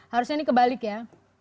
harusnya ini kebalik ya